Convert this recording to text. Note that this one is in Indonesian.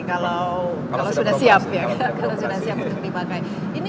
kalau sudah siap untuk dipakai